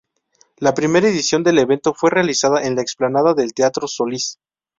La primera edición del evento fue realizada en la Explanada del Teatro Solís.